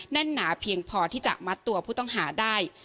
แน่นหนาเพียงพอที่จะมัดตัวผู้ต้องหาได้